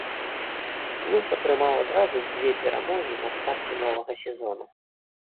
Клуб атрымаў адразу дзве перамогі на старце новага сезону.